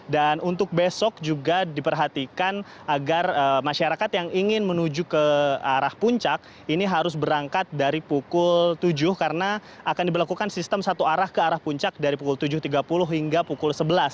dan untuk besok juga diperhatikan agar masyarakat yang ingin menuju ke arah puncak ini harus berangkat dari pukul tujuh karena akan diberlakukan sistem satu arah ke arah puncak dari pukul tujuh tiga puluh hingga pukul sebelas